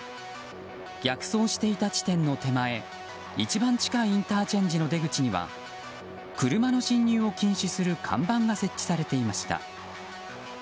逆走していた地点の手前一番近いインターチェンジの出口には車の進入を禁止する看板が設置されていました。